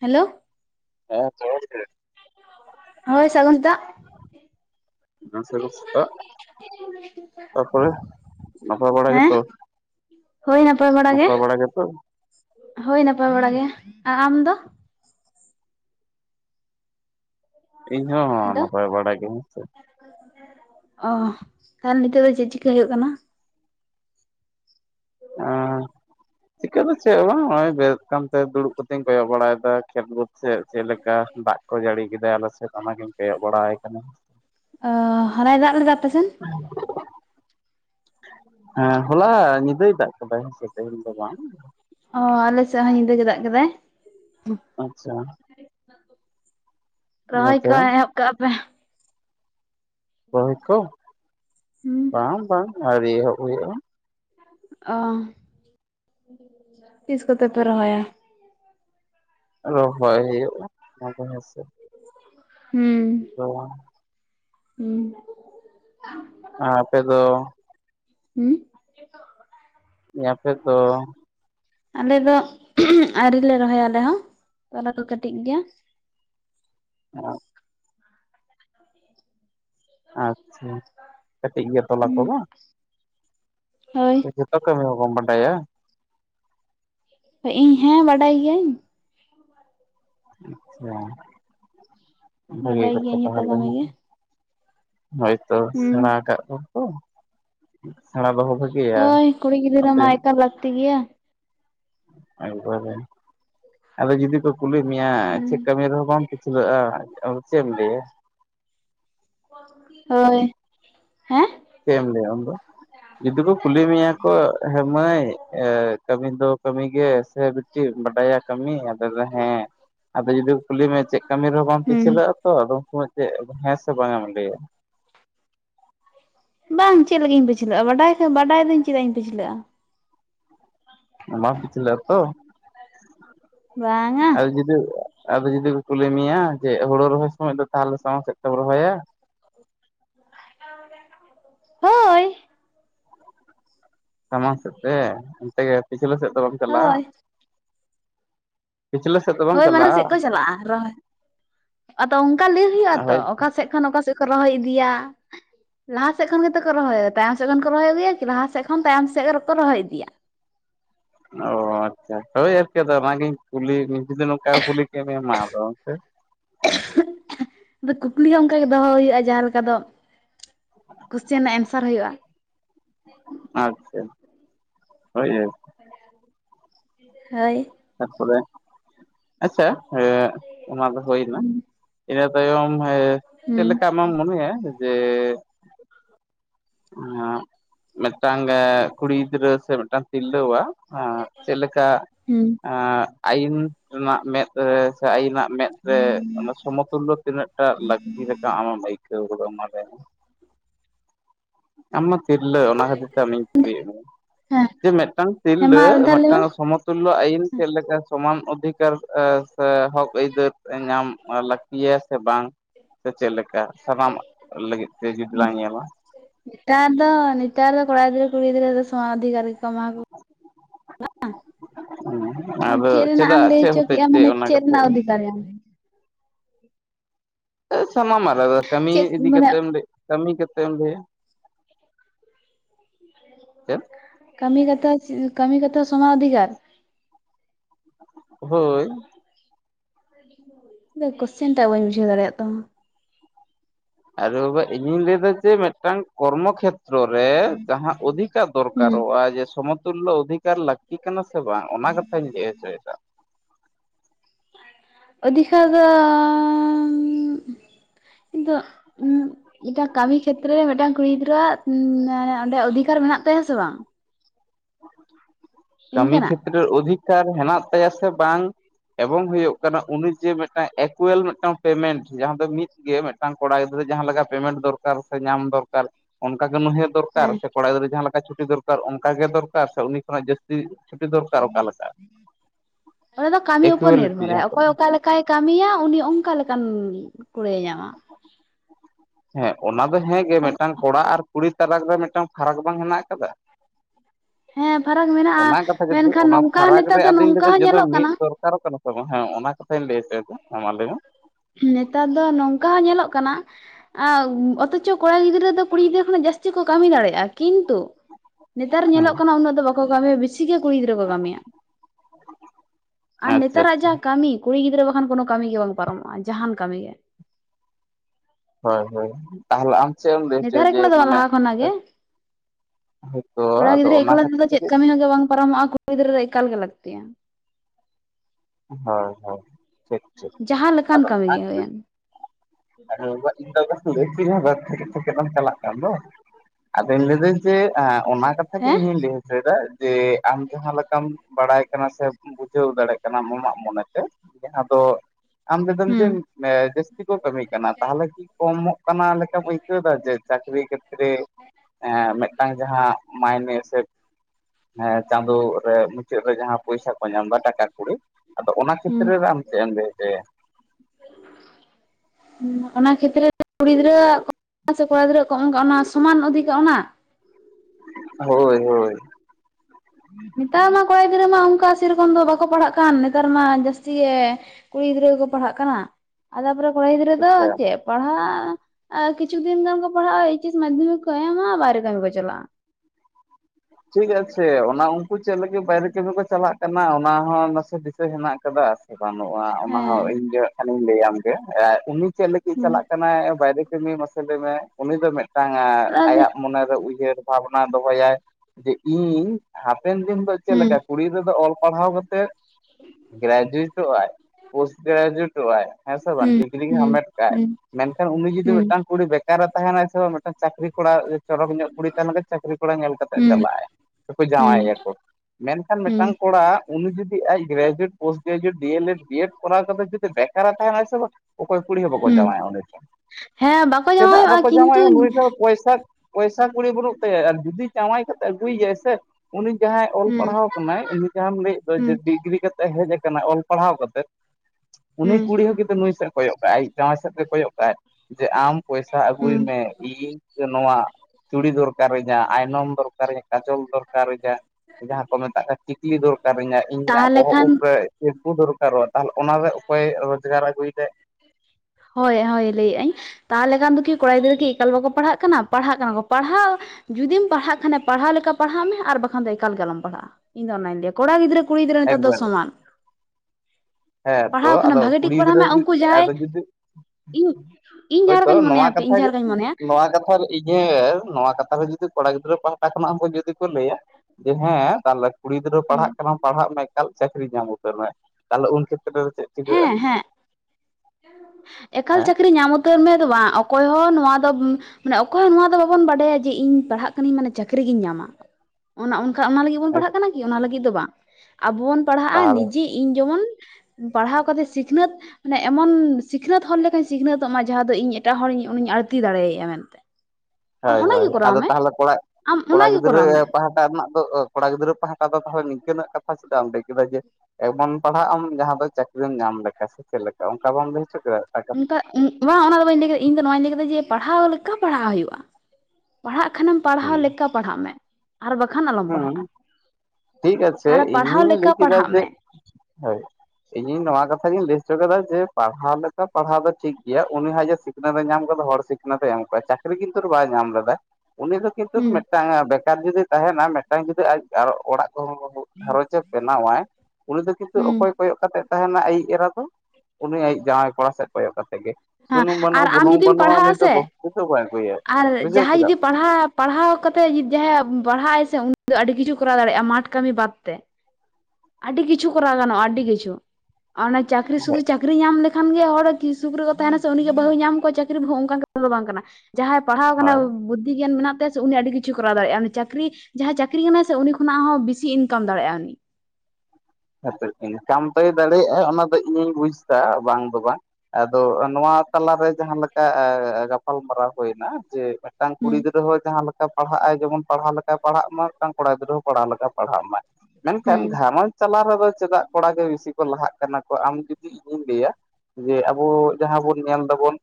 [inaudible] Hello ᱦᱮᱸ ᱡᱚᱦᱟᱨ ᱜᱮ᱾ ᱦᱳᱭ ᱥᱟᱹᱜᱩᱱ ᱛᱟᱜ᱾ ᱦᱮ ᱥᱟᱹᱜᱩᱱ ᱥᱮᱛᱟᱜ ᱛᱟᱨᱯᱚᱨ ᱱᱟᱯᱟᱭ ᱵᱟᱲᱟ ᱦᱮᱸ ᱜᱮᱛᱚ? ᱦᱳᱭ ᱱᱟᱯᱟᱭ ᱵᱟᱲᱟ ᱜᱮ᱾ ᱦᱳᱭ ᱱᱟᱯᱟᱭ ᱵᱟᱲᱟ ᱜᱮ᱾ ᱟᱨ ᱟᱢ ᱫᱚ? ᱤᱧ ᱦᱚᱸ ᱦᱮᱞᱳ ᱱᱟᱯᱟᱭ ᱵᱟᱲᱟ ᱜᱮ ᱦᱮᱸᱥᱮ᱾ ᱚᱻ ᱛᱟᱦᱞᱮ ᱱᱤᱛᱳᱜ ᱫᱚ ᱪᱮᱜ ᱪᱤᱠᱟᱹ ᱦᱩᱭᱩᱜ ᱠᱟᱱᱟ ᱟᱸ ᱪᱤᱠᱟᱹ ᱫᱚ ᱪᱮᱜ ᱦᱚᱸ ᱵᱟᱝ ᱱᱚᱸᱜᱼᱚᱭ ᱵᱮᱨᱮᱫ ᱠᱟᱱᱛᱮ ᱫᱩᱲᱩᱵ ᱛᱮᱧ ᱠᱚᱭᱚᱜ ᱵᱟᱲᱟᱭᱫᱟ ᱠᱷᱮᱛ ᱵᱟᱹᱫᱽ ᱥᱮᱫ ᱪᱮᱫ ᱞᱮᱠᱟ ᱫᱟᱜ ᱠᱚ ᱡᱟᱹᱲᱤ ᱠᱮᱫᱟᱭ ᱟᱞᱮ ᱥᱮᱜ ᱫᱚᱢᱮ ᱜᱮᱧ ᱠᱚᱭᱚᱜ ᱵᱟᱲᱟᱣᱟᱭ ᱠᱟᱱᱟ᱾ ᱚ ᱦᱚᱞᱟᱭ ᱫᱟᱜ ᱞᱮᱫᱟ ᱟᱯᱮ ᱥᱮᱱ [inaudible] ᱦᱮᱸ ᱦᱚᱞᱟ ᱧᱤᱫᱟᱹᱭ ᱫᱟᱜ ᱟᱭ ᱵᱟᱝ [unintelligible] ᱚ ᱟᱞᱮ ᱥᱮᱫ ᱦᱚᱸ ᱧᱤᱫᱟᱹ ᱜᱮ ᱫᱟᱜ ᱠᱮᱫᱟᱭ᱾ ᱟᱪᱪᱷᱟ ᱨᱚᱦᱚᱭ ᱠᱚ ᱚᱱᱟᱛᱮ ᱮᱦᱚᱵ ᱠᱟᱜᱼᱟ ᱯᱮ? ᱨᱚᱦᱚᱭ ᱠᱚ ᱦᱩᱸ ᱵᱟᱝ ᱵᱟᱝ ᱟᱹᱨᱤ ᱮᱦᱚᱵ ᱦᱩᱭᱩᱜᱼᱟ᱾ ᱚ ᱛᱤᱥ ᱠᱚᱛᱮ ᱯᱮ ᱨᱚᱦᱚᱭᱟ ᱨᱚᱦᱚᱭ ᱦᱩᱭᱩᱜᱼᱟ ᱟᱫᱚ ᱦᱮᱸᱥᱮ᱾ ᱦᱩᱸ [unintelligible] ᱦᱩᱸ [unintelligible] ᱟ ᱟᱯᱮ ᱫᱚ ᱩ [unintelligible] ᱛᱚ ᱟᱞᱮ ᱫᱚ ᱟᱹᱣᱨᱤ ᱞᱮ ᱨᱚᱦᱚᱭᱟ ᱟᱞᱮ ᱦᱚᱸ ᱛᱚᱞᱟ ᱠᱚ ᱠᱟᱹᱴᱤᱡ ᱜᱮᱭᱟ᱾ [inaudible] ᱟᱪᱪᱷᱟ ᱠᱟᱹᱴᱤᱡ ᱜᱮᱭᱟ ᱛᱚᱞᱟ ᱠᱚ ᱵᱟᱝ ᱦᱳᱭ ᱡᱚᱛᱚ ᱠᱟᱹᱢᱤ ᱦᱚᱸ ᱵᱟᱢ ᱵᱟᱰᱟᱭᱟ ᱤᱧ ᱦᱮᱸ ᱵᱟᱰᱟᱭ ᱜᱤᱭᱟᱹᱧ ᱟᱪᱪᱷᱟ ᱵᱷᱟᱹᱜᱤ ᱵᱟᱰᱟᱭ ᱠᱟᱛᱷᱟ ᱜᱤᱭᱟᱹᱧ ᱡᱚᱛᱚ ᱛᱟᱦᱚᱞᱮ ᱦᱮᱸ ᱠᱟᱹᱢᱤ ᱜᱮ ᱵᱷᱟᱜᱤᱛᱚ ᱦᱩᱸ ᱥᱮᱬᱟ ᱠᱟᱜ ᱠᱚᱣᱟᱢ ᱛᱚ ᱥᱮᱬᱟ ᱫᱚᱦᱚ ᱵᱷᱟᱹᱜᱤᱭᱟ ᱦᱳᱭ ᱠᱩᱲᱤ ᱜᱤᱫᱽᱨᱟᱹ ᱢᱟ ᱦᱟᱯᱮᱱ ᱮᱠᱟᱞ ᱞᱟᱹᱠᱛᱤ ᱜᱮᱭᱟ᱾ ᱮᱠᱵᱟᱨᱮ ᱟᱫᱚ ᱡᱩᱫᱤ ᱠᱚ ᱠᱩᱞᱤ ᱢᱮᱭᱟ ᱪᱮᱫ ᱠᱟᱹᱢᱤ ᱨᱮᱦᱚᱸ ᱵᱟᱢ ᱴᱷᱤ ᱪᱷᱩᱞᱟᱹᱜᱼᱟ ᱟᱫᱚ ᱪᱮᱫ ᱮᱢ ᱞᱟᱹᱭᱟ ᱦᱳᱭ ᱦᱮᱸ ᱪᱮᱫ ᱮᱢ ᱞᱟᱹᱭᱟ ᱩᱱ ᱫᱚ ᱡᱩᱫᱤ ᱠᱚ ᱠᱩᱞᱤ ᱢᱮᱭᱟ ᱠᱚ ᱦᱮ ᱢᱟᱹᱭ ᱮ ᱠᱟᱹᱢᱤ ᱫᱚ ᱠᱟᱹᱢᱤ ᱜᱮ ᱥᱮ ᱴᱤ ᱵᱟᱰᱟᱭᱟ ᱠᱟᱹᱢᱤ ᱟᱫᱚᱢ ᱞᱟᱹᱭᱟ ᱦᱮᱸ ᱟᱫᱚ ᱡᱩᱫᱤ ᱠᱩᱞᱤ ᱢᱮᱭᱟ ᱪᱮᱜ ᱠᱟᱹᱢᱤ ᱨᱮᱦᱚᱸ ᱵᱟᱢ ᱦᱩᱸ ᱯᱟᱹᱪᱷᱞᱟᱹᱜᱼᱟ ᱛᱚ ᱟᱫᱚ ᱩᱱ ᱥᱚᱢᱚᱭ ᱪᱮᱜ ᱦᱮᱸ ᱥᱮ ᱵᱟᱝᱮᱢ ᱞᱟᱹᱭᱟ ᱵᱟᱝ ᱪᱮᱫ ᱞᱟᱹᱜᱤᱜ ᱤᱧ ᱯᱟᱹᱪᱷᱞᱟᱹᱜᱼᱟ ᱵᱟᱰᱟᱭ ᱠᱷᱟᱱ ᱵᱟᱰᱟᱭ ᱫᱚᱹᱧ ᱪᱮᱫᱟᱜ ᱤᱧ ᱯᱟᱹᱪᱷᱞᱟᱹᱜᱼᱟ ᱵᱟᱢ ᱯᱟᱹᱪᱷᱞᱟᱹᱜᱼᱟ ᱛᱚ ᱵᱟᱝᱟ ᱟᱫᱚ ᱡᱩᱫᱤ ᱟᱫᱚ ᱡᱩᱫᱤ ᱠᱚ ᱠᱩᱞᱤ ᱢᱮᱭᱟ ᱡᱮ ᱦᱩᱲᱩ ᱨᱚᱦᱚᱭ ᱥᱚᱢᱚᱭ ᱫᱚ ᱛᱟᱦᱚᱞᱮ ᱥᱟᱢᱟᱝ ᱥᱮᱫ ᱛᱮᱢ ᱨᱚᱦᱚᱭᱟ ᱦᱳᱭ ᱥᱟᱢᱟᱝ ᱥᱮᱫ ᱛᱮ ᱚᱱᱛᱮᱜᱮ ᱯᱤᱪᱷᱞᱟᱹ ᱥᱮᱜ ᱫᱚ ᱵᱟᱢ ᱪᱟᱞᱟᱜᱼᱟ ᱦᱳᱭ ᱯᱤᱪᱷᱞᱟᱹ ᱥᱮᱫ ᱫᱚ ᱵᱟᱢ ᱦᱳᱭ ᱢᱟᱨᱟᱝ ᱪᱟᱞᱟᱜᱼᱟ ᱥᱮᱜ ᱠᱚ ᱪᱟᱞᱟᱜᱼᱟ ᱨᱚᱦᱚᱭ ᱟᱫᱚ ᱚᱝᱠᱟ ᱞᱟᱹᱭ ᱦᱩᱭᱩᱜᱼᱟ ᱛᱚ ᱦᱳᱭ ᱚᱠᱟ ᱥᱮᱜ ᱠᱷᱚᱱ ᱚᱠᱟ ᱥᱮᱜ ᱠᱚ ᱨᱚᱦᱚᱭ ᱤᱫᱤᱭᱟ ᱞᱟᱦᱟᱥᱮᱜ ᱠᱷᱚᱱ ᱜᱮᱛᱚ ᱠᱚ ᱨᱚᱦᱚᱭᱟ ᱛᱟᱭᱚᱢ ᱥᱮᱜ ᱠᱷᱚᱱ ᱠᱚ ᱨᱚᱦᱚᱭ ᱟᱹᱜᱩᱭᱟ ᱠᱤ? ᱞᱟᱦᱟ ᱥᱮᱜ ᱠᱷᱚᱱ ᱛᱟᱭᱚᱢ ᱥᱮᱜ ᱜᱮᱠᱚ ᱨᱚᱦᱚᱭ ᱤᱫᱤᱭᱟ᱾ ᱚ ᱟᱪᱪᱷᱟ ᱦᱳᱭ ᱟᱨᱠᱤ ᱟᱫᱚ ᱚᱱᱟᱜᱮᱧ ᱠᱩᱞᱤᱭᱮᱜ ᱢᱤᱧ ᱠᱤᱱᱛᱩ ᱱᱚᱝᱠᱟ ᱠᱩᱞᱤ ᱠᱮ ᱢᱮᱭᱟ ᱢᱟ ᱟᱫᱚ ᱟᱫᱚ ᱠᱩᱠᱞᱤ ᱦᱚᱸ ᱚᱝᱠᱟᱜᱮ ᱫᱚᱦᱚ ᱦᱩᱭᱩᱜᱼᱟ ᱡᱟᱦᱟᱸ ᱞᱮᱠᱟ ᱫᱚ ᱠᱚᱳᱥᱪᱮᱱ ᱨᱮᱱᱟᱜ ᱮᱱᱥᱟᱨ ᱦᱩᱭᱩᱜᱼᱟ ᱟᱪᱪᱷᱟ ᱦᱳᱭ ᱦᱳᱭ ᱾ ᱛᱟᱨᱯᱚᱨᱮ ᱟᱪᱪᱷᱟ ᱚᱱᱟ ᱫᱚ ᱦᱩᱭᱱᱟ ᱦᱩᱸ ᱤᱱᱟᱹ ᱛᱟᱭᱚᱢ ᱪᱮᱫ ᱦᱩᱸ ᱞᱮᱠᱟ ᱢᱚᱱᱮᱭᱟ ᱡᱮ [inaudible] ᱢᱤᱫᱴᱟᱝ ᱠᱩᱲᱤ ᱜᱤᱫᱽᱨᱟᱹ ᱥᱮ ᱢᱤᱫᱴᱟᱝ ᱛᱤᱨᱞᱟᱹᱣᱟᱜ ᱪᱮᱫᱮᱠᱟ ᱦᱩᱹ ᱾ ᱟᱸ ᱟᱹᱭᱤᱱ ᱨᱮᱱᱟᱜ ᱢᱮᱫ ᱨᱮ ᱥᱮ ᱟᱭᱤᱱᱟᱜ ᱢᱮᱫ ᱨᱮ ᱥᱚᱢᱚᱛᱩᱞᱚ ᱛᱤᱱᱟᱹᱜ ᱴᱟ ᱞᱟᱹᱠᱛᱤ ᱪᱮᱫ ᱞᱮᱠᱟ ᱟᱢᱮᱢ ᱟᱹᱭᱠᱟᱹᱣ ᱠᱟᱫᱟ ᱢᱟ ᱞᱟᱹᱭ ᱢᱮ ᱾ ᱟᱢ ᱢᱟ ᱛᱤᱨᱞᱟᱹ ᱚᱱᱟ ᱠᱷᱟᱹᱛᱤᱨ ᱛᱮ ᱟᱹᱢᱤᱧ ᱠᱩᱞᱤᱭᱮᱜ ᱢᱮᱭᱟ ᱦᱮᱸ ᱾ ᱡᱮ ᱢᱤᱫᱴᱟᱝ ᱦᱮᱸ ᱢᱟ ᱛᱤᱨᱞᱟᱹ ᱟᱨ ᱢᱤᱫ ᱫᱷᱟᱣ ᱞᱟᱹᱭ ᱢᱮ ᱢᱤᱫᱴᱟᱝ ᱥᱚᱢᱚᱛᱩᱞᱞᱚ ᱟᱭᱤᱱ ᱪᱮᱫ ᱞᱮᱠᱟ ᱥᱚᱢᱟᱱ ᱚᱫᱷᱤᱠ ᱦᱚᱠ [inaudible] ᱟᱹᱭᱫᱟᱹᱨ ᱧᱟᱢ ᱞᱟᱹᱠᱛᱤᱭᱟ ᱥᱮ ᱵᱟᱝ ᱥᱮ ᱪᱮᱫ ᱞᱮᱠᱟ ᱠᱟᱜ ᱥᱟᱱᱟᱢ ᱞᱟᱹᱜᱤᱫ ᱛᱮ ᱡᱩᱫᱤ ᱞᱟᱝ ᱧᱮᱞᱟ ᱾ ᱱᱮᱛᱟᱨ ᱫᱚ ᱱᱮᱛᱟᱨ ᱨᱮ ᱠᱚᱲᱟ ᱜᱤᱫᱽᱨᱟᱹ ᱠᱩᱲᱤ ᱜᱤᱫᱽᱨᱟᱹ ᱫᱚ ᱥᱚᱢᱟᱱ ᱚᱫᱷᱤᱠᱟᱨ ᱜᱮᱠᱚ ᱮᱢᱟ ᱠᱚᱣᱟ ᱾ ᱵᱟᱝ ᱟᱢ ᱟᱫᱚ ᱪᱮᱫ ᱨᱮᱱᱟᱜ ᱮᱢ ᱪᱮᱫᱟᱜ ᱞᱟᱹᱭ ᱪᱮᱫ ᱦᱚᱪᱚ ᱦᱚᱛᱮᱡ ᱠᱮᱜᱼᱟ ᱛᱮ ᱢᱟᱱᱮ ᱚᱱᱟ ᱪᱮᱫ ᱠᱟᱛᱷᱟ ᱨᱮᱱᱟᱜ ᱤᱧ ᱚᱫᱷᱤᱠᱟᱨ ᱧᱟᱢ ᱥᱟᱱᱟᱢᱟᱜ ᱨᱮ ᱠᱟᱹᱢᱤ ᱪᱮᱫ ᱤᱫᱤ ᱢᱟᱱᱮ ᱠᱟᱛᱮᱫ ᱮᱢ ᱞᱟᱹᱭ ᱠᱟᱹᱢᱤ ᱠᱟᱛᱮ ᱮᱢ ᱞᱟᱹᱭᱟ ᱪᱮᱫ ᱠᱟᱹᱢᱤ ᱠᱟᱛᱮᱜ ᱠᱟᱹᱢᱤ ᱠᱟᱛᱮᱜ ᱥᱚᱢᱟᱭ ᱚᱫᱷᱤᱠᱟᱨ ᱦᱳᱭ ᱾ [inaudible] ᱟᱫᱚ ᱠᱚᱥᱪᱮᱱᱴᱟᱜ ᱵᱟᱹᱧ ᱵᱩᱡᱷᱟᱹᱣ ᱫᱟᱲᱮᱭᱟᱜ ᱛᱟᱢᱟ ᱾ ᱟᱨᱮ ᱵᱟᱵᱟ ᱤᱧᱤᱧ ᱞᱟᱹᱭ ᱮᱫᱟ ᱡᱮ ᱢᱤᱫᱴᱟᱝ ᱠᱚᱨᱢᱚ ᱠᱷᱮᱛ ᱨᱚ ᱨᱮ ᱡᱟᱦᱟᱸ ᱚᱫᱷᱤᱠᱟᱨ ᱦᱩᱸ ᱫᱚᱨᱠᱟᱨᱚᱜᱼᱟ ᱡᱮ ᱥᱚᱢᱚᱛᱩᱞᱞᱚ ᱚᱫᱷᱤᱠ ᱠᱟᱨ ᱞᱟᱹᱠᱛᱤ ᱠᱟᱱᱟ ᱥᱮ ᱵᱟᱝ ᱚᱱᱟ ᱠᱟᱛᱷᱟᱧ ᱞᱟᱹᱭ ᱦᱚᱪᱚᱭᱮᱫᱟ ᱾ ᱚᱫᱷᱤᱠᱟ ᱫᱚ ᱤᱧ ᱫᱚ [inaudible] ᱢᱤᱫᱴᱟᱝ ᱠᱟᱹᱢᱤ ᱠᱷᱮᱛᱨᱮ ᱨᱮ ᱢᱤᱫᱴᱟᱝ ᱠᱩᱲᱤ ᱜᱤᱫᱽᱨᱟᱹᱣᱟᱜ ᱚᱸᱰᱮ ᱚᱫᱷᱤᱠᱟᱨ ᱢᱮᱱᱟᱜ ᱛᱟᱭᱟ ᱥᱮ ᱵᱟᱝ? ᱠᱟᱹᱢᱤ ᱤᱱᱠᱟᱹᱱᱟᱜ ᱠᱷᱮᱛᱨᱮ ᱚᱫᱷᱤᱠᱟᱨ ᱦᱮᱱᱟᱜ ᱛᱟᱭᱟ ᱥᱮ ᱵᱟᱝ ᱮᱵᱚᱝ ᱦᱳᱭᱳᱜ ᱠᱟᱱᱟ ᱩᱱᱤ ᱡᱮ ᱢᱤᱫᱴᱟᱝ ᱮᱠᱩᱭᱮᱞ ᱢᱤᱫᱴᱟᱝ ᱯᱮᱢᱮᱱᱴ ᱡᱟᱦᱟᱸ ᱫᱚ ᱢᱤᱫ ᱜᱮ ᱢᱤᱫᱴᱟᱝ ᱠᱚᱲᱟ ᱜᱤᱫᱽᱨᱟᱹ ᱡᱟᱦᱟᱸ ᱞᱮᱠᱟ ᱯᱮᱢᱮᱱᱴ ᱫᱚᱨᱠᱟᱨ ᱥᱮ ᱧᱟᱢ ᱫᱚᱨᱠᱟᱨ ᱚᱱᱠᱟ ᱜᱮ ᱱᱩᱭᱦᱟᱹᱨ ᱫᱚᱨᱠᱟᱨ ᱦᱮᱸ ᱥᱮ ᱠᱚᱲᱟ ᱜᱤᱫᱽᱨᱟᱹ ᱡᱟᱦᱟᱸ ᱞᱮᱠᱟ ᱪᱷᱩᱴᱤ ᱫᱚᱨᱠᱟᱨ ᱚᱱᱠᱟ ᱜᱮ ᱫᱚᱨᱠᱟᱨ ᱥᱮ ᱩᱱᱤ ᱠᱷᱚᱱᱟᱜ ᱡᱟᱹᱥᱛᱤ ᱪᱷᱩᱴᱤ ᱫᱚᱨᱠᱟᱨ ᱚᱠᱟ ᱞᱮᱠᱟ ᱚᱱᱟ ᱫᱚ ᱠᱟᱹᱢᱤ ᱩᱯᱚᱨ ᱮᱠᱩᱭᱮᱞᱤᱴᱤ ᱱᱤᱨᱵᱷᱚᱨᱟᱭ ᱡᱟᱦᱟᱸ ᱠᱚ ᱚᱠᱚᱭ ᱚᱠᱟᱞᱮᱠᱟ ᱞᱮᱠᱟᱭ ᱠᱟᱹᱢᱤᱭᱟ ᱩᱱᱤ ᱚᱱᱠᱟ ᱞᱮᱠᱟᱱ ᱠᱩᱲᱟᱹᱭ ᱧᱟᱢᱟ ᱾ ᱦᱮᱸ ᱚᱱᱟ ᱫᱚ ᱦᱮᱸᱜᱮ ᱢᱤᱫᱴᱟᱝ ᱠᱚᱲᱟ ᱟᱨ ᱠᱩᱲᱤ ᱛᱟᱞᱟᱠ ᱨᱮ ᱢᱤᱫᱴᱟᱝ ᱯᱷᱟᱨᱟᱠ ᱵᱟᱝ ᱦᱮᱱᱟᱜ ᱟᱠᱟᱫᱟ ᱦᱮᱸ ᱯᱷᱟᱨᱟᱠ ᱢᱮᱱᱟᱜᱼᱟ ᱚᱱᱟ ᱠᱟᱛᱷᱟ ᱜᱮ ᱢᱮᱱᱠᱷᱟᱱ ᱚᱱᱟ ᱱᱚᱝᱠᱟ ᱯᱷᱟᱨᱟᱠ ᱱᱮᱛᱟᱨ ᱨᱮ ᱫᱚ ᱟᱫᱚᱧ ᱱᱚᱝᱠᱟ ᱞᱟᱹᱭᱫᱟ ᱦᱚᱸ ᱡᱚ ᱧᱮᱞᱚᱜ ᱢᱤᱫ ᱠᱟᱱᱟ ᱚᱜ ᱠᱟᱱᱟ ᱛ ᱵᱟᱝ ᱦᱮᱸ ᱚᱱᱟ ᱠᱟᱛᱷᱟᱧ ᱞᱟᱹᱭ ᱦᱚᱪᱚᱭ ᱦᱮᱸ ᱢᱟ ᱞᱟᱹᱭ ᱢᱮ ᱱᱮᱛᱟᱨ ᱫᱚ ᱱᱚᱝᱠᱟ ᱦᱚᱸ ᱧᱮᱞᱚᱜ ᱠᱟᱱᱟ ᱾ ᱚᱸ ᱚᱛᱷᱚᱪᱚ ᱠᱚᱲᱟ ᱜᱤᱫᱽᱨᱟᱹ ᱫᱚ ᱠᱩᱲᱤ ᱜᱤᱫᱽᱨᱟᱹ ᱠᱷᱚᱱᱟᱜ ᱡᱟᱹᱥᱛᱤ ᱠᱚ ᱠᱟᱹᱢᱤ ᱫᱟᱲᱮᱭᱟᱜᱼᱟ ᱠᱤᱱᱛᱩ ᱱᱮᱛᱟᱨ ᱦᱮᱸ ᱧᱮᱞᱚᱜ ᱠᱟᱱᱟ ᱩᱱᱟᱹᱜ ᱫᱚ ᱵᱟᱠᱚ ᱠᱟᱹᱢᱤᱭᱟ ᱵᱮᱥᱤ ᱜᱮ ᱠᱩᱲᱤ ᱜᱤᱫᱽᱨᱟᱹ ᱠᱚ ᱠᱟᱹᱢᱤᱭᱟ ᱾ ᱟᱨ ᱟᱪᱪᱷᱟ ᱱᱮᱛᱟᱨᱟᱜ ᱟᱪᱪᱷᱟ ᱡᱟᱦᱟᱸ ᱠᱟᱹᱢᱤ ᱠᱩᱲᱤ ᱜᱤᱫᱽᱨᱟᱹ ᱵᱟᱠᱷᱟᱱ ᱠᱳᱱᱳ ᱠᱟᱹᱢᱤ ᱜᱮ ᱵᱟᱝ ᱯᱟᱨᱚᱢᱚᱜᱼᱟ ᱡᱟᱦᱟᱱ ᱠᱟᱹᱢᱤ ᱜᱮ ᱦᱳᱭ ᱦᱳᱭ ᱛᱟᱦᱚᱞᱮ ᱟᱢ ᱪᱮᱫ ᱮᱢ ᱞᱟᱹᱭ ᱦᱚᱪᱚᱭᱟ ᱱᱮᱛᱟᱨ ᱡᱮ ᱮᱠᱞᱟ ᱫᱚ ᱵᱟᱝ ᱢᱟᱱᱮ ᱞᱟᱦᱟ ᱠᱷᱚᱱᱟ ᱜᱮ ᱦᱳᱭᱛᱳ ᱠᱚᱲᱟ ᱟᱫᱚ ᱜᱤᱫᱽᱨᱟᱹ ᱚᱱᱟ ᱮᱠᱞᱟ ᱠᱷᱟᱹᱛᱤᱨ ᱛᱮᱫᱚ ᱪᱮᱫ ᱛᱮᱜᱮ ᱠᱟᱹᱢᱤ ᱦᱚᱸ ᱜᱮ ᱵᱟᱝ ᱯᱟᱨᱚᱢᱚᱜᱼᱟ ᱠᱩᱲᱤ ᱜᱤᱫᱽᱨᱟᱹ ᱫᱚ ᱮᱠᱟᱞ ᱜᱮ ᱞᱟᱹᱠᱛᱤᱜᱼᱟ ᱾ ᱦᱳᱭ ᱦᱳᱭ ᱾ ᱡᱟᱦᱟᱸ ᱞᱮᱠᱟᱱ ᱠᱟᱹᱢᱤ ᱜᱮ ᱦᱩᱭᱮᱱ ᱤᱧ ᱫᱚ ᱵᱟᱹᱧ ᱞᱟᱹᱭ ᱦᱚᱪᱚᱧᱟ ᱵᱟᱫ ᱠᱟᱛᱮᱢ ᱪᱟᱞᱟᱜ ᱠᱟᱱ ᱫᱚ [unintelligible] ᱟᱫᱚᱧ ᱞᱟᱹᱭ ᱫᱟᱹᱧ ᱡᱮ ᱚᱱᱟ ᱠᱟᱛᱷᱟ ᱜᱮ ᱦᱮᱸ ᱤᱧᱦᱚᱧ ᱞᱟᱹᱭ ᱦᱚᱪᱚᱭ ᱥᱮᱫᱟᱭ ᱡᱮ ᱟᱢ ᱡᱟᱦᱟᱸ ᱞᱮᱠᱟᱢ ᱵᱟᱲᱟᱭ ᱠᱟᱱᱟ ᱥᱮᱢ ᱵᱩᱡᱷᱟᱹᱣ ᱫᱟᱲᱮᱭᱟᱜ ᱠᱟᱱᱟ ᱾ ᱠᱟᱱᱟᱢ ᱟᱢᱟᱜ ᱢᱚᱱᱮᱛᱮ ᱡᱟᱦᱟᱸ ᱫᱚ ᱟᱢ ᱞᱮᱫᱟᱢ ᱦᱩᱸ ᱡᱮ ᱡᱟᱹᱥᱛᱤ ᱠᱚ ᱠᱟᱹᱢᱤ ᱠᱟᱱᱟ ᱛᱟᱦᱚᱞᱮ ᱠᱤ ᱠᱚᱢᱚᱜ ᱠᱟᱱᱟ ᱞᱮᱠᱟᱢ ᱟᱹᱭᱠᱟᱹᱣ ᱮᱟ ᱡᱮ ᱪᱟᱠᱨᱤ ᱠᱷᱮᱛᱨᱮ ᱮ ᱢᱤᱫᱴᱟᱝ ᱡᱟᱦᱟᱸ ᱢᱟᱭᱱᱮ ᱥᱮᱵ [inaudible] ᱪᱟᱸᱫᱚ ᱨᱮ ᱢᱩᱪᱟᱹᱫ ᱨᱮ ᱡᱟᱦᱟᱸ ᱯᱚᱭᱥᱟ ᱠᱚ ᱧᱟᱢ ᱮᱫᱟ ᱴᱟᱠᱟ [unintelligible] ᱟᱫᱚ ᱚᱱᱟ ᱦᱩᱸ ᱠᱷᱮᱛᱨᱮ ᱨᱮ ᱟᱢ ᱪᱮᱫ ᱮᱢ ᱞᱟᱹᱭ ᱦᱚᱪᱚ ᱭᱟ? ᱦᱩᱸᱻ ᱚᱱᱟ ᱠᱷᱮᱛᱨᱮ ᱨᱮ ᱠᱩᱲᱤ ᱜᱤᱫᱽᱨᱟᱹᱣᱟᱜ ᱥᱮ ᱠᱚᱲᱟ ᱜᱤᱫᱨᱟᱹ ᱠᱚ ᱮᱢ ᱟᱠᱟᱫ-ᱟ ᱚᱱᱟ ᱥᱚᱢᱟᱱ ᱚᱫᱷᱤᱠᱟᱟᱜᱼᱟ ᱚᱱᱟ? ᱦᱚᱭ ᱦᱚᱭ ᱾ ᱱᱮᱛᱟᱨ ᱢᱟ ᱠᱚᱲᱟ ᱜᱤᱫᱽᱨᱟᱹ ᱢᱟ ᱚᱱᱠᱟ ᱥᱮᱨᱚᱠᱚᱢ ᱫᱚ ᱵᱟᱠᱚ ᱯᱟᱲᱦᱟᱜ ᱠᱟᱱ ᱱᱮᱛᱟᱨ ᱢᱟ ᱡᱟᱹᱥᱛᱤ ᱜᱮ ᱠᱩᱲᱤ ᱜᱤᱫᱽᱨᱟᱹ ᱜᱮᱠᱚ ᱯᱟᱲᱦᱟᱜ ᱠᱟᱱᱟ [inaudible] ᱟᱨ ᱛᱟᱨᱯᱚᱨᱮ ᱠᱚᱲᱟ ᱜᱤᱫᱽᱨᱟᱹ ᱫᱚ ᱟᱪᱪᱷᱟ ᱪᱮᱫ ᱯᱟᱲᱦᱟᱜ ᱠᱤᱪᱷᱩ ᱫᱤᱱ ᱜᱮᱠᱚ ᱯᱟᱲᱦᱟᱜᱼᱟ ᱮᱭᱤᱪᱮᱥ ᱢᱟᱫᱽᱫᱷᱚᱢᱤᱠ ᱠᱚ ᱮᱢᱟ ᱵᱟᱭᱨᱮ ᱠᱟᱹᱢᱤ ᱠᱚ ᱪᱟᱞᱟᱜᱼᱟ ᱾ ᱴᱷᱤᱠ ᱟᱪᱷᱮ ᱚᱱᱟ ᱩᱱᱠᱩ ᱪᱮᱫ ᱞᱮᱜᱤ ᱵᱟᱭᱨᱮ ᱠᱟᱹᱢᱤ ᱠᱚ ᱪᱟᱞᱟᱜ ᱠᱟᱱᱟ ᱚᱱᱟ ᱦᱚᱸ ᱱᱟᱥᱮ ᱫᱤᱥᱟᱹ ᱦᱮᱱᱟᱜ ᱟᱠᱟᱫᱟ ᱾ ᱵᱟᱹᱱᱩᱜᱼᱟ ᱚᱱᱟ ᱦᱚᱸ ᱦᱮᱸ ᱤᱧ ᱫᱚ ᱦᱟᱸᱜ ᱠᱷᱟᱱᱤᱧ ᱞᱟᱹᱭᱟᱢ ᱜᱮ ᱩᱱᱤ ᱪᱮᱫ ᱞᱟᱹᱜᱤᱫ ᱪᱟᱞᱟᱜ ᱠᱟᱱᱟᱭ ᱵᱟᱭᱨᱮ ᱠᱟᱹᱢᱤ ᱢᱟᱥᱮ ᱞᱮᱢᱮ ᱩᱱᱤ ᱫᱚ ᱢᱤᱫᱴᱟᱝ ᱟᱫᱚ ᱟᱭᱟᱜ ᱢᱚᱱᱮ ᱨᱮ ᱩᱭᱦᱟᱹᱨ ᱵᱷᱟᱵᱽᱱᱟ ᱫᱚᱦᱚᱭᱟᱭ ᱡᱮ ᱤᱧ ᱦᱟᱯᱮᱱ ᱫᱤᱱ ᱫᱚ ᱪᱮᱫ ᱦᱩᱸ ᱞᱮᱠᱟ ᱠᱩᱲᱤ ᱜᱤᱫᱨᱟᱹ ᱚᱞ ᱯᱟᱲᱦᱟᱣ ᱠᱟᱛᱮᱮᱫ ᱜᱨᱮᱡᱩᱣᱮᱴᱚᱜ-ᱟᱭ [inaudible] ᱯᱚᱥᱴ ᱜᱨᱮᱡᱩᱣᱮᱴᱚᱜ-ᱟᱭ᱾ ᱦᱮᱸ ᱥᱮ ᱵᱟᱝ ᱦᱩᱸ ᱰᱤᱜᱽᱨᱤ ᱜᱮ ᱦᱩᱸ ᱦᱟᱢᱮᱴ ᱠᱟᱭ ᱦᱩᱸ [inaudible] ᱢᱮᱱᱠᱷᱟᱱ ᱩᱱᱤ ᱡᱩᱫᱤ ᱦᱩᱸ ᱢᱤᱫᱴᱟᱝ ᱠᱩᱲᱤ ᱵᱮ ᱵᱮᱠᱟᱨ ᱨᱮᱭ ᱛᱟᱦᱮᱱᱟᱭ ᱥᱮ ᱵᱟᱝ ᱢᱤᱫᱴᱟᱝ ᱪᱟᱹᱠᱨᱤ ᱠᱚᱲᱟ ᱪᱚᱨᱚᱠ ᱧᱚᱜ ᱠᱩᱲᱤ ᱛᱟᱦᱮᱱᱟ ᱪᱟᱹᱠᱨᱤ ᱠᱚᱲᱟ ᱧᱮᱞ ᱠᱟᱛᱮ ᱦᱩᱸ ᱪᱟᱞᱟᱜ ᱟᱭ [inaudible] ᱥᱮᱠᱚ ᱦᱩᱸ ᱡᱟᱣᱟᱭᱟᱠᱚ ᱾ ᱢᱮᱱᱠᱷᱟᱱ ᱦᱩᱸ ᱢᱤᱫᱴᱟᱝ ᱠᱚᱲᱟ ᱩᱱᱤ ᱡᱩᱫᱤ ᱟᱡ ᱜᱨᱮᱡᱩᱭᱮᱴ ᱯᱚᱥᱴ ᱜᱨᱮᱡᱩᱭᱮᱴ ᱰᱤᱭᱮᱞᱮᱴ ᱵᱤᱭᱮᱰ ᱠᱚᱨᱟᱣ ᱠᱟᱛᱮ ᱡᱩᱫᱤ [unintelligible] ᱛᱟᱦᱮᱱᱟᱭ ᱥᱮ ᱚᱠᱚᱭ ᱠᱩᱲᱤ ᱦᱚ ᱵᱟᱠᱚ ᱦᱩᱸ ᱡᱟᱣᱟᱭᱚᱜ-ᱟ ᱩᱱᱤ ᱴᱷᱮᱱ ᱦᱮᱸ ᱵᱟᱠᱚ ᱾ ᱪᱮᱫᱟᱜ ᱡᱟᱶᱟᱭᱚᱜᱼᱟ ᱵᱟᱠᱚ ᱠᱤᱱᱛᱩ ᱡᱟᱣᱟᱭᱟᱠᱚ ᱦᱩᱸ ᱱᱩᱭ ᱫᱚ ᱯᱚᱭᱥᱟ ᱯᱚᱭᱥᱟ ᱠᱩᱲᱤ ᱵᱟᱹᱱᱩᱜ ᱛᱟᱭᱟ ᱟᱨ ᱡᱩᱫᱤ ᱡᱟᱶᱟᱭ ᱠᱟᱛᱮ ᱟᱹᱜᱩᱭᱟᱭ ᱥᱮ ᱩᱱᱤ ᱡᱟᱦᱟᱸᱭ ᱚᱞ ᱦᱩᱸ ᱯᱟᱲᱦᱟᱣ ᱠᱟᱱᱟᱭ ᱩᱱᱤ ᱡᱟᱦᱟᱸᱢ ᱞᱟᱹᱭᱮᱫ ᱫᱚ ᱡᱮ ᱰᱤᱜᱽᱨᱤ ᱠᱟᱛᱮ ᱦᱮᱡ ᱟᱠᱟᱱᱟ ᱚᱞ ᱯᱟᱲᱦᱟᱣ ᱠᱟᱛᱮ ᱩᱱᱤ ᱦᱩᱸ ᱠᱩᱲᱤ ᱦᱚᱸ ᱠᱤᱱᱛᱩ ᱱᱩᱭ ᱥᱮᱫ ᱮ ᱠᱚᱭᱚᱜ ᱠᱟᱜᱼ ᱟᱭ ᱟᱡ ᱡᱟᱶᱟᱭ ᱥᱮᱫ ᱮ ᱠᱚᱭᱚᱜ ᱠᱟᱜ ᱟᱭ ᱡᱮ ᱟᱢ ᱯᱚᱭᱥᱟ ᱟᱹᱜᱩᱭ ᱦᱩᱸ ᱢᱮ ᱾ ᱤᱧ ᱱᱚᱣᱟ ᱪᱩᱲᱤ ᱫᱚᱨᱠᱟᱨᱤᱧᱟᱹ, ᱟᱭᱱᱚᱢ ᱫᱚᱨᱠᱟᱨᱤᱧᱟᱹ ᱠᱟᱪᱚᱞ ᱫᱚᱨᱠᱟᱨᱤᱧᱟᱹ ᱡᱟᱦᱟᱸ ᱠᱚ ᱢᱮᱛᱟᱜ ᱠᱟᱱ ᱴᱤᱠᱞᱤ ᱫᱚᱨᱠᱟᱨᱤᱧᱟ ᱤᱧᱟᱹᱜ ᱛᱟᱦᱚᱞᱮ ᱵᱚᱦᱚᱜ ᱠᱷᱟᱱ ᱩᱯ ᱨᱮ ᱥᱤᱢᱯᱩ ᱫᱚᱨᱠᱟᱨᱚᱜᱼᱟ ᱛᱟᱦᱚᱞᱮ ᱚᱱᱟ ᱫᱚ ᱚᱠᱚᱭ ᱨᱚᱡᱽᱜᱟᱨ ᱟᱹᱜᱩ ᱭᱮᱫᱟᱭ? ᱦᱚᱭ ᱦᱚᱭ ᱞᱟᱹᱭᱮᱫ ᱟᱹᱧ ᱛᱟᱦᱚᱞᱮ ᱠᱷᱟᱱ ᱫᱚᱠᱤ ᱠᱚᱲᱟ ᱜᱤᱫᱽᱨᱟᱹ ᱠᱤ ᱮᱠᱟᱞ ᱵᱟᱠᱚ ᱯᱟᱲᱦᱟᱜ ᱠᱟᱱᱟ ᱯᱟᱲᱦᱟᱜ ᱠᱟᱱᱟ ᱠᱚ ᱯᱟᱲᱦᱟᱜ ᱡᱩᱫᱤᱢ ᱯᱟᱲᱦᱟᱜ ᱠᱷᱟᱱᱮ ᱯᱟᱲᱦᱟᱣ ᱞᱮᱠᱟ ᱯᱟᱲᱦᱟᱜ ᱢᱮ ᱟᱨ ᱵᱟᱠᱷᱟᱱ ᱫᱚ ᱮᱠᱟᱞ ᱜᱮ ᱟᱞᱚᱢ ᱯᱟᱲᱦᱟᱜᱼᱟ ᱾ ᱤᱧ ᱫᱚ ᱚᱱᱟᱧ ᱞᱟᱹᱭᱟ ᱾ ᱠᱚᱲᱟ ᱜᱤᱫᱽᱨᱮ ᱠᱩᱲᱤ ᱜᱤᱫᱽᱨᱟᱹ ᱱᱮᱛᱟᱨ ᱫᱚ ᱮᱠᱵᱟᱨᱮ ᱥᱚᱢᱟᱱ ᱾ ᱦᱮᱸ ᱛᱚ ᱟᱫᱚ ᱠᱩᱲᱤ ᱜᱤᱫᱽᱨᱟᱹ ᱢᱮ ᱩᱱᱠᱩ ᱟᱫᱚ ᱡᱟᱦᱟᱸᱭ ᱡᱩᱫᱤ ᱤᱧ [inaudible] ᱤᱧ ᱡᱟᱦᱟᱸ ᱦᱚᱭᱛᱚ ᱞᱮᱠᱟᱧ ᱱᱚᱣᱟ ᱢᱚᱱᱮᱭᱟ ᱦᱟᱯᱮ ᱠᱟᱛᱷᱟ ᱤᱧ ᱜᱮ ᱡᱟᱦᱟᱸ ᱞᱮᱠᱟᱧ ᱢᱚᱱᱮᱭᱟ [inaudible] ᱱᱚᱣᱟ ᱠᱟᱛᱷᱟ ᱤᱭᱟ. ᱱᱚᱣᱟ ᱠᱟᱛᱷᱟ ᱫᱚ ᱡᱩᱫᱤ ᱠᱚᱲᱟ ᱜᱤᱫᱽᱨᱟᱹ ᱯᱟᱦᱴᱟ ᱠᱷᱚᱱᱟᱜ ᱦᱚᱸ ᱡᱩᱫᱤ ᱠᱚ ᱞᱟᱹᱭᱟ ᱡᱮ ᱦᱮᱸ ᱛᱟᱦᱚᱞᱮ ᱠᱩᱲᱤ ᱜᱤᱫᱽᱨᱟᱹ ᱯᱟᱲᱦᱟᱜ ᱠᱟᱱᱟᱢ ᱯᱟᱲᱦᱟᱜ ᱢᱮ ᱮᱠᱟᱞ ᱪᱟᱹᱠᱨᱤ ᱧᱟᱢ ᱩᱛᱟᱹᱨ ᱢᱮ ᱾ ᱛᱟᱦᱚᱞᱮ ᱩᱱ ᱠᱷᱮᱛ ᱨᱮ ᱫᱚ ᱪᱮᱫ? ᱪᱤᱠᱟᱹᱜᱼᱟ ᱦᱮᱸ ᱦᱮᱸ [unintelligible] ᱮᱠᱟᱞ ᱪᱟᱹᱠᱨᱤ ᱧᱟᱢ ᱩᱛᱟᱹᱨ ᱩᱛᱟᱹᱨ ᱢᱮ ᱫᱚ ᱵᱟᱝ ᱚᱠᱚᱭ ᱦᱚᱸ ᱱᱚᱣᱟ ᱫᱚ ᱢᱟᱱᱮ ᱚᱠᱚᱭ ᱱᱚᱣᱟ ᱫᱚ ᱵᱟᱵᱚᱱ ᱵᱟᱰᱟᱭᱟ ᱡᱮ ᱤᱧ ᱯᱟᱲᱦᱟᱜ ᱠᱟᱱᱟᱹᱧ ᱢᱟᱱᱮ ᱪᱟᱹᱠᱨᱤ ᱜᱤᱧ ᱧᱟᱢᱟ ᱾ ᱚᱱ ᱚᱱᱠᱟ ᱚᱱᱟ ᱞᱟᱹᱜᱤᱫ ᱵᱚᱱ ᱦᱮᱸ ᱯᱟᱲᱦᱟᱜ ᱠᱟᱱᱟ ᱠᱤ ᱚᱱᱟ ᱞᱟᱹᱜᱤᱫ ᱫᱚ ᱵᱟᱝ [inaudible] ᱟᱵᱚ ᱵᱚᱱ ᱯᱟᱲᱦᱟᱜᱼᱟ ᱛᱟᱦᱚᱞᱮ ᱱᱤᱡᱮ ᱤᱧ ᱡᱮᱢᱚᱱ ᱯᱟᱲᱦᱟᱣ ᱠᱟᱛᱮᱫ ᱥᱤᱠᱷᱱᱟᱹᱛ ᱢᱟᱱᱮ ᱮᱢᱚᱱ ᱥᱤᱠᱷᱱᱟᱹᱛ ᱦᱚᱲ ᱞᱮᱠᱟᱧ ᱥᱤᱠᱷᱱᱟᱹᱛᱚᱜ ᱢᱟ ᱡᱟᱦᱟᱸ ᱫᱚ ᱤᱧ ᱮᱴᱟᱜ ᱦᱚᱲᱤᱧ ᱩᱱᱤᱧ ᱟᱲᱛᱤ ᱫᱟᱲᱮᱭᱟᱭᱟ ᱢᱮᱱᱛᱮ ᱾ [unintelligible] ᱦᱚᱭ ᱦᱚᱭ ᱟᱫᱚ ᱛᱟᱦᱚᱞᱮ ᱠᱚᱲᱟ ᱟᱢ [inaudible] ᱠᱚᱲᱟ ᱚᱱᱟᱜᱮ ᱜᱤᱫᱽᱨᱟᱹ ᱠᱚᱨᱟᱣ ᱢᱮ ᱯᱟᱦᱟᱴᱟ ᱨᱮᱱᱟᱜ ᱚ ᱚ ᱠᱚᱲᱟ ᱜᱤᱫᱽᱨᱟᱹ ᱯᱟᱥᱦᱴᱟ ᱫᱚ ᱱᱤᱝᱠᱟᱹᱱᱟᱜ ᱠᱟᱛᱷᱟ ᱪᱮᱫᱟᱜ ᱮᱢ ᱞᱟᱹᱭ ᱠᱮᱫᱟ ᱡᱮ ᱮᱵᱚᱱ ᱯᱟᱲᱦᱟᱜ ᱟᱢ ᱡᱟᱦᱟᱸ ᱫᱚ ᱪᱟᱹᱠᱨᱤᱢ ᱧᱟᱢ ᱞᱮᱠᱟ ᱥᱮ ᱪᱮᱫ ᱞᱮᱠᱟ ᱚᱱᱠᱟ ᱵᱟᱢ ᱞᱟᱹᱭ ᱦᱚᱪᱚ ᱠᱮᱫ [unintelligible] ᱚᱱᱠᱟ ᱵᱟᱝ ᱚᱱᱟ ᱫᱚ ᱵᱟᱹᱧ ᱞᱟᱹᱭ ᱠᱮᱫᱟ ᱤᱧ ᱫᱚ ᱱᱚᱣᱟᱧ ᱞᱟᱹᱭ ᱠᱮᱫᱟ ᱡᱮ ᱯᱟᱲᱦᱟᱣ ᱞᱮᱠᱟ ᱯᱟᱲᱦᱟᱣ ᱦᱩᱭᱩᱜᱼᱟ ᱾ ᱯᱟᱲᱦᱟᱜ ᱠᱷᱟᱱᱮᱢ ᱯᱟᱲᱦᱟᱣ ᱞᱮᱠᱟ ᱯᱟᱲᱦᱟᱜ ᱢᱮ [inaudible] ᱟᱨ ᱵᱟᱠᱷᱟᱱ ᱟᱞᱚ ᱦᱮᱸ [inaudible] ᱴᱷᱤᱠ ᱟᱪᱷᱮ ᱤᱧ ᱯᱟᱲᱦᱟᱣ ᱦᱚᱧ ᱞᱟᱹᱭ ᱞᱮᱠᱟ ᱠᱮᱫᱟ ᱯᱟᱲᱦᱟᱜ ᱡᱮ ᱢᱮ [inaudible] ᱦᱚᱭ ᱾ ᱤᱧ ᱱᱚᱣᱟ ᱠᱟᱛᱷᱟ ᱜᱤᱧ ᱞᱟᱹᱭ ᱚᱪᱚ ᱟᱠᱟᱫᱟ ᱡᱮ ᱯᱟᱲᱦᱟᱣ ᱞᱮᱠᱟ ᱯᱟᱲᱦᱟᱣ ᱫᱚ ᱴᱷᱤᱠ ᱜᱮᱭᱟ ᱩᱱᱤ ᱦᱚ ᱥᱤᱠᱷᱱᱟ. ᱛ ᱧᱟᱢ ᱠᱟᱫᱟ ᱦᱚᱲ ᱥᱤᱠᱷᱱᱟᱹᱛ ᱮᱢ ᱠᱚᱼᱟ ᱪᱟᱹᱠᱨᱤ ᱠᱤᱱᱛᱩ ᱵᱟᱭ ᱧᱟᱢ ᱞᱮᱫᱟ ᱩᱱᱤ ᱫᱚ ᱠᱤᱱᱛᱩ ᱦᱩᱸ ᱢᱤᱫᱴᱟᱝ ᱵᱮᱠᱟᱨ ᱡᱩᱫᱤ ᱛᱟᱦᱮᱱᱟ ᱢᱤᱫᱴᱟᱝ ᱡᱩᱫᱤ ᱟᱡ ᱚᱲᱟᱜ ᱠᱚᱦᱚᱸ ᱜᱷᱟᱨᱚᱸᱡᱽ ᱮ ᱵᱮᱱᱟᱣᱟᱭ [inaudible] ᱩᱱᱤ ᱫᱚ ᱠᱤᱱᱛᱩ ᱦᱩᱸ ᱚᱠᱚᱭ ᱠᱚᱭᱚᱜ ᱠᱟᱛᱮᱮᱫ ᱛᱟᱦᱮᱱᱟ ᱟᱭᱭᱩᱵ ᱮᱨᱟ ᱫᱚ [inaudible] ᱩᱱᱤ ᱟᱭᱮᱡ ᱡᱟᱶᱟᱭ ᱠᱚᱲᱟ ᱥᱮᱮᱫ ᱠᱚᱭᱚᱜ ᱠᱟᱛᱮᱮᱫ ᱜᱮ ᱾ ᱦᱮᱸ ᱟᱨ ᱟᱢ ᱡᱩᱫᱤᱢ ᱯᱟᱲᱦᱟᱜ ᱟᱥᱮ ᱛᱮᱫᱚ ᱵᱟᱭ ᱟᱹᱜᱩᱭᱟ ᱟᱨ ᱵᱩᱡᱷᱟᱹᱣ ᱡᱟᱦᱟᱸᱭ ᱠᱮᱫᱟᱢ ᱡᱩᱫᱤ ᱯᱟᱲᱦᱟᱜ ᱯᱟᱲᱦᱟᱣ ᱠᱟᱛᱮᱮᱫ ᱡ ᱡᱟᱦᱟᱸᱭᱭᱟᱜ ᱯᱟᱲᱦᱟᱜᱟᱭ ᱥᱮ ᱩᱱᱤ ᱫᱚ ᱟᱹᱰᱤ ᱠᱤᱪᱷᱩ ᱠᱚᱨᱟᱣ ᱫᱟᱲᱮᱭᱟᱜᱼᱟ ᱢᱟᱴᱷ ᱠᱟᱹᱢᱤ ᱵᱟᱫ ᱛᱮ ᱟᱹᱰᱤ ᱠᱤᱪᱷᱩ ᱠᱚᱨᱟᱣ ᱜᱟᱱᱚᱜᱼᱟ ᱟᱹᱰᱤ ᱠᱤᱪᱷᱩ ᱚᱱᱟ ᱪᱠᱨᱤ ᱦᱳᱭ ᱪᱟᱹᱠᱨᱤ ᱧᱟᱢ ᱞᱮᱠᱷᱟᱱ ᱜᱮ ᱦᱚᱲ ᱥᱩᱠ ᱨᱮᱠᱚ ᱛᱟᱦᱮᱱᱟ ᱥᱮ ᱩᱱᱤᱜᱮ ᱵᱟᱹᱦᱩᱭ ᱧᱟᱢ ᱠᱚᱣᱟ ᱪᱟᱹᱠᱨᱤ ᱵ ᱚᱱᱠᱟ ᱫᱚ ᱵᱟᱝ ᱠᱟᱱᱟ ᱡᱟᱦᱟᱸᱭ ᱯᱟᱲᱦᱟᱣ ᱦᱳᱭ ᱠᱟᱱᱟ ᱵᱩᱫᱽᱫᱷᱤ ᱜᱮᱭᱟᱱ ᱢᱮᱱᱟᱜ ᱛᱟᱭ ᱩᱱᱤ ᱟᱹᱰᱤ ᱠᱤᱪᱷᱩ ᱠᱚᱨᱟᱣ ᱫᱟᱲᱮᱼᱟ ᱩᱱᱤ ᱪᱟᱹᱠᱨᱤ ᱡᱟᱦᱟᱸᱭ ᱪᱟᱹᱠᱨᱤ ᱠᱟᱱᱟᱭ ᱥᱮ ᱩᱱᱤ ᱠᱷᱚᱱᱟᱜ ᱦᱚᱸ ᱵᱤᱥᱤ ᱤᱱᱠᱟᱢ ᱫᱟᱲᱮᱭᱟᱜᱼᱟ ᱛᱤᱨ ᱤᱠᱟᱢᱛᱚᱭ ᱫᱟᱲᱮᱭᱟᱜ ᱟᱭ ᱚᱱᱟ ᱫᱚ ᱤᱧᱤᱧ ᱵᱩᱡᱽᱫᱟ ᱵᱟᱝ ᱫᱚ ᱵᱟᱝ ᱟᱫᱚ ᱱᱚᱣᱟ ᱛᱟᱞᱟᱨᱮ ᱡᱟᱦᱟᱸ ᱞᱮᱠᱟ ᱜᱟᱯᱟᱞᱢᱟᱨᱟᱣ ᱦᱩᱭᱱᱟ ᱡᱮ ᱢᱤᱫᱴᱟᱝ ᱦᱩᱸ ᱠᱩᱲᱤ ᱜᱤᱫᱽᱨᱟᱹ ᱦᱚᱸ ᱡᱟᱦᱟᱸ ᱞᱮᱠᱟ ᱞᱮᱠᱟ ᱯᱟᱲᱦᱟᱜ ᱟᱭ ᱡᱮᱢᱚᱱ ᱯᱟᱲᱦᱟᱣ ᱞᱮᱠᱟᱭ ᱯᱟᱲᱦᱟᱜᱼ ᱢᱟ ᱢᱤᱫᱴᱟᱝ ᱠᱚᱲᱟ ᱜᱤᱫᱽᱨᱟᱹ ᱦᱚᱸ ᱯᱟᱲᱦᱟᱣ ᱞᱮᱠᱟᱭ ᱯᱟᱲᱦᱟᱜᱢᱟᱭ ᱢᱮᱱᱠᱷᱟᱱ ᱦᱩᱸ ᱜᱷᱟᱨᱚᱸᱡᱽ ᱪᱟᱞᱟᱣ ᱨᱮᱫᱚ ᱪᱮᱫᱟᱜ ᱠᱚᱲᱟ ᱜᱮ ᱵᱤᱥᱤ ᱠᱚ ᱞᱟᱦᱟᱜ ᱠᱟᱱᱟ ᱠᱚ ᱟᱢ ᱡᱩᱫᱤ ᱤᱧᱤᱧ ᱞᱟᱹᱭᱟ ᱡᱮ ᱟᱵᱚ ᱡᱟᱦᱟᱸ ᱵᱚᱱ ᱧᱮᱞ ᱫᱫᱟᱵᱚᱱ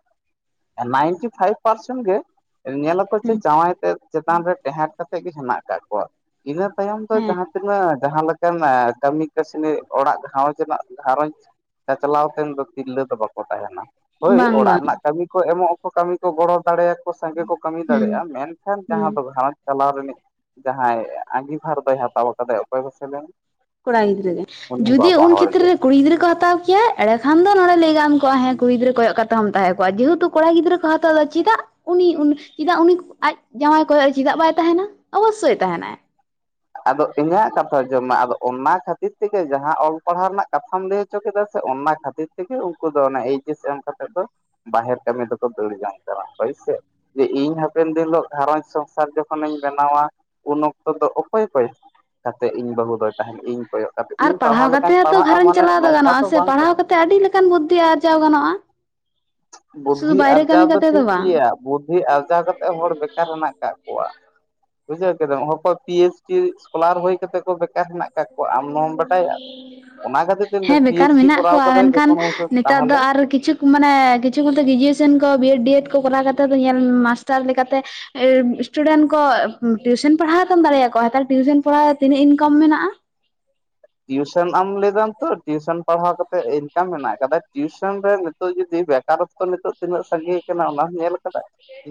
ᱱᱟᱭᱤᱱᱴᱤ ᱯᱷᱟᱭᱤᱵᱷ ᱯᱟᱨᱥᱮᱱᱴ ᱜᱮ ᱧᱮᱞ ᱦᱩᱸ ᱡᱟᱶᱟᱭ ᱛᱮ ᱪᱮᱛᱟᱱ ᱨᱮ ᱴᱮᱦᱰ ᱠᱟᱛᱮ ᱜᱮ ᱦᱮᱱᱟᱜ ᱟᱠᱟᱫ ᱠᱚᱣᱟ ᱤᱱᱟᱹ ᱛᱟᱭᱚᱢ ᱫᱚ ᱦᱮᱸ ᱡᱟᱦᱟᱸ ᱛᱤᱱᱟᱹᱜ ᱡᱟᱦᱟᱸᱠᱟᱱ ᱠᱟᱹᱢᱤ ᱠᱟᱹᱥᱱᱤ ᱚᱲᱟᱜ ᱜᱷᱟᱨᱚᱸᱡᱽ ᱨᱮᱱᱟᱜ ᱜᱷᱟᱨᱚᱸᱡᱽ ᱪᱟᱪᱞᱟᱣ ᱛᱮ ᱫᱚ ᱛᱤᱨᱞᱟᱹ ᱫᱚ ᱵᱟᱠᱚ ᱛᱟᱦᱮᱱᱟ ᱦᱳᱭ ᱵᱟᱝ ᱚᱲᱟᱜ ᱵᱟᱝ ᱨᱮᱱᱟᱜ ᱠᱟᱹᱢᱤ ᱠᱚ ᱮᱢᱚᱜ ᱟᱠᱚ ᱠᱟᱹᱢᱤ ᱠᱚ ᱜᱚᱲᱚ ᱫᱟᱲᱮᱭᱟᱠᱚ ᱥᱟᱸᱜᱮ ᱠᱚ ᱠᱟᱹᱢᱤ ᱦᱩᱸ ᱫᱟᱲᱮᱭᱟᱜᱼᱟ ᱢᱮᱱᱟᱱ ᱮᱠᱷᱟᱱ ᱦᱩᱸ ᱡᱟᱦᱟᱸ ᱫᱚ ᱜᱷᱟᱨᱚᱸᱡᱽ ᱪᱟᱞᱟᱣ ᱨᱤᱱᱤᱡ ᱡᱟᱦᱟᱸᱭ ᱟᱸᱜᱤᱵᱷᱟᱨ ᱫᱚᱭ ᱦᱟᱛᱟᱣ ᱟᱠᱟᱫᱟᱭ ᱚᱠᱚᱭ ᱯᱥᱮ ᱞᱮᱟᱹᱭᱱᱟ ᱠᱚᱲᱟ ᱜᱤᱫᱽᱨᱟᱹ ᱜᱮ ᱡᱩᱚᱫᱤ ᱩᱱ ᱦᱚᱲ ᱜᱮ ᱠᱷᱮᱛᱨᱮ ᱨᱮ ᱠᱩᱲᱤ ᱜᱤᱫᱽᱨᱟᱹ ᱠᱚ ᱦᱟᱛᱟᱣ ᱠᱮᱭᱟ ᱮᱸᱰᱮ ᱠᱷᱟᱱ ᱫᱚ ᱱᱚᱸᱰᱮ ᱞᱟᱹᱭ ᱜᱟᱱ ᱠᱚᱜ ᱦᱮᱸ ᱠᱩᱲᱤ ᱜᱤᱫᱽᱨᱟᱹ ᱠᱚᱭᱚᱜ ᱠᱟᱛᱮ ᱦᱚᱸᱢ ᱛᱟᱦᱮᱸ ᱠᱚᱜᱼᱟ ᱡᱮᱦᱮᱛᱩ ᱠᱚᱲᱟ ᱜᱤᱫᱽᱨᱟᱹ ᱠᱚ ᱦᱟᱛᱟᱣ ᱮᱟ ᱪᱮᱫᱟᱜ ᱩᱱᱤ ᱪᱮᱫᱟᱜ ᱩᱱᱤ ᱟᱡ ᱡᱟᱶᱟᱭ ᱠᱚᱭᱚᱜ ᱪᱮᱫᱟᱜ ᱵᱟᱭ ᱛᱟᱦᱮᱱᱟ ᱚᱵᱚᱥᱥᱳᱭ ᱛᱟᱦᱮᱱᱟᱭ ᱟᱫᱚ ᱤᱧᱟᱹᱜ ᱠᱟᱛᱷᱟ ᱡᱚᱢᱟ ᱟᱫᱚ ᱚᱱᱟ ᱠᱷᱟᱹᱛᱤᱨ ᱛᱮᱜᱮ ᱡ ᱨᱮᱱᱟᱜ ᱠᱟᱛᱷᱟᱢ ᱞᱟᱹᱭ ᱦᱚᱪᱚ ᱠᱮᱫᱟ ᱥᱮ ᱚᱱᱟ ᱠᱷᱟᱹᱛᱤᱨ ᱛᱮᱜᱮ ᱩᱱᱠᱩ ᱫᱚ ᱚᱱᱮ ᱮᱭ ᱤᱥ ᱮᱢ ᱠᱟᱛᱮ ᱫᱚ ᱵᱟᱦᱮᱨ ᱠᱟᱹᱢᱤ ᱫᱚᱠᱚ ᱫᱟᱹᱲ ᱡᱚᱝ ᱠᱟᱱᱟ ᱦᱳᱭᱥ ᱡᱮ ᱤᱧ ᱦᱟᱯᱮᱱ ᱫᱤᱱ ᱦᱤᱞᱳᱜ ᱜᱷᱟᱨᱚᱸᱡᱽ ᱥᱚᱝᱥᱟᱨ ᱡᱚᱠᱷᱚᱱᱤᱧ ᱵᱮᱱᱟᱣᱟ ᱩᱱ ᱚᱠᱛᱚ ᱫᱚ ᱚᱠᱚᱠᱚᱭ ᱠᱟᱛᱮ ᱤᱧ ᱵᱟᱹᱦᱩ ᱫᱚ ᱛᱟᱦᱮᱱ ᱤᱧ ᱠᱚᱭᱚᱜ ᱠᱟᱛᱮ ᱟᱨ ᱤᱧ ᱯᱟᱲᱦᱟᱣ ᱠᱟᱛᱮ ᱞᱮᱠᱟᱧ ᱦᱚᱸᱛᱚ ᱯᱟᱲᱦᱟᱜᱼᱟ ᱜᱷᱟᱨᱚᱸᱡᱽ ᱢᱟᱱᱮ ᱪᱟᱞᱟᱣ ᱱᱚᱝᱠᱟ ᱫᱚ ᱜᱟᱱᱚᱜᱼᱟ ᱥᱮ ᱵᱟᱝ ᱯᱟᱲᱦᱟᱣ ᱠᱟᱛᱮ ᱟᱹᱰᱤ ᱞᱮᱠᱟᱱ ᱵᱩᱫᱽᱫᱷᱤ ᱟᱨᱡᱟᱣ ᱜᱟᱱᱚᱜᱼᱟ ᱥᱩᱫᱷᱩ ᱵᱩᱫᱽᱫᱷᱤ ᱵᱟᱭᱨᱮ ᱟᱨᱡᱟᱣ ᱠᱟᱹᱢᱤ ᱫᱚ ᱠᱟᱛᱮ ᱴᱷᱤᱠ ᱵᱟᱝ ᱜᱮᱭᱟ ᱵᱩᱫᱽᱫᱷᱤ ᱟᱨᱡᱟᱣ ᱠᱟᱛᱮ ᱦᱚᱲ ᱵᱮᱠᱟᱨ ᱦᱮᱱᱟᱜ ᱟᱠᱟᱫ ᱠᱚᱣᱟ ᱵᱩᱡᱷᱟᱹᱣ ᱠᱮᱫᱟᱢ ᱦᱚᱠᱚᱭ ᱯᱤᱭ ᱪᱤ ᱥᱠᱚᱞᱟᱨ ᱦᱩᱭ ᱠᱟ ᱠᱟᱛᱮᱮᱫ ᱠᱚ ᱵᱮᱠᱟᱨ ᱦᱮᱱᱟᱜ ᱠᱫ ᱠᱚᱣᱟ ᱟᱢ ᱱᱚᱣᱟᱚᱢ ᱵᱟᱰᱟᱭᱟ ᱚᱱᱟ ᱠᱷᱟᱹᱛᱤᱨ ᱛᱮ ᱦᱮᱸ ᱯᱤ ᱵᱮᱠᱟᱨ ᱮᱭᱤᱪ ᱰᱤ ᱢᱮᱱᱟᱜ ᱠᱚᱨᱟᱣ ᱠᱚᱣᱟ ᱠᱟᱫᱟᱭ ᱢᱮᱱᱠᱷᱟᱱ ᱡᱚᱠᱷᱚᱱ ᱱᱮᱛᱟᱨ ᱫᱚ ᱛᱟᱦᱚᱞᱮ ᱟᱨ ᱠᱤᱪᱷᱩ ᱢᱟᱱᱮ ᱠᱤᱪᱷᱩᱛᱮ ᱜᱨᱮᱡᱩᱭᱮᱥᱚᱱ ᱠᱚ ᱵᱤᱭ ᱮᱰ ᱰᱤ ᱮᱰ ᱠᱚᱨᱟᱣ ᱠᱟᱛᱮᱮᱫ ᱫᱚ ᱧᱮᱞ ᱢᱟᱥᱴᱟᱨ ᱞᱮᱠᱟᱛᱮ ᱥᱴᱩᱰᱮᱱᱴ ᱠᱚ ᱴᱤᱭᱩᱥᱚᱱ ᱯᱟᱲᱦᱟᱣ ᱛᱟᱢ ᱫᱟᱲᱮᱭᱟᱠᱚᱣᱟ ᱴᱤᱭᱩᱥᱚᱱ ᱯᱟᱲᱦᱟᱣ ᱨᱮ ᱛᱤᱱᱟᱹᱜ ᱤᱱᱠᱟᱢ ᱢᱮᱱᱟᱜᱼᱟ ᱴᱤᱩᱥᱚᱱ ᱟ ᱮᱢ ᱞᱟᱹᱭᱮᱫᱟᱢ ᱛᱚ ᱴᱤᱩᱥᱚᱱ ᱯᱟᱲᱦᱟᱣ ᱠᱟᱛᱮᱜ ᱢᱮᱱᱟᱜ ᱟᱠᱟᱫᱟ ᱴᱤᱭᱩᱥᱚᱱ ᱨᱮ ᱱᱤᱛᱚᱜ ᱡᱩᱫᱤ ᱵᱮᱠᱟᱨᱚᱛ ᱠᱚ ᱱᱤᱛᱚᱜ ᱛᱤᱱᱟᱹᱜ ᱥᱟᱸᱜᱤ ᱟᱠᱟᱱᱟ ᱚᱱᱟᱢ ᱧᱮᱞ